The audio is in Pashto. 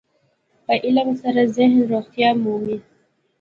په علم سره ذهن روغتیا مومي.